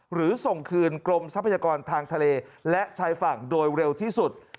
หรือส่งคืนกรมทรัพยากรทางทะเลและชายฝั่งโดยเร็วที่สุด